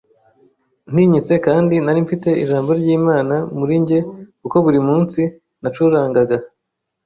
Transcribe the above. ntinyitse kandi narimfite ijambo ry’Imana muri njye kuko buri munsi nacurangaga